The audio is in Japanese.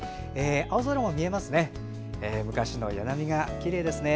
青空も見えますね。